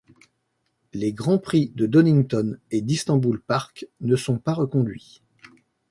Les Grand Prix de Donington et d'Istanbul Park ne sont pas reconduits.